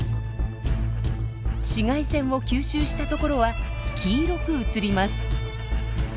紫外線を吸収した所は黄色く映ります。